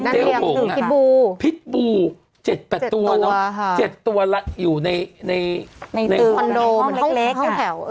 ใช่ด้านเหลี่ยงถึงพิษบูรณ์ค่ะพิษบูรณ์๗๘ตัวเนอะ๗ตัวละอยู่ในคอนโดเหมือนเล็กค่ะห้องแถว